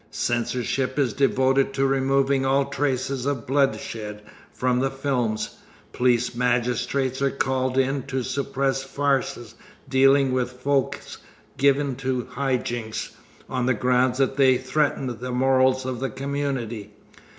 Censorship is devoted to removing all traces of bloodshed from the films. Police magistrates are called in to suppress farces dealing with folk given to high jinks, on the ground that they threaten the morals of the community.